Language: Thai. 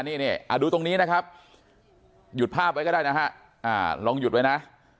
นี่ดูตรงนี้นะครับหยุดภาพไว้ก็ได้นะฮะลองหยุดไว้นะ